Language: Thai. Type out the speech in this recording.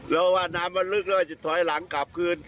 เรียกว่าน้ำมันลึกเลยจะถอยหลังกลับคืน